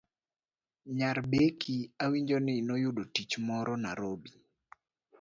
Nyar Becky awinjo ni noyudo tich moro Narobi